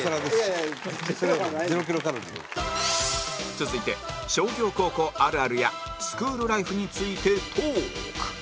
続いて商業高校あるあるやスクールライフについてトーク